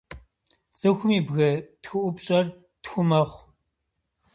Цӏыхум и бгы тхыӏупщӏэр тху мэхъу.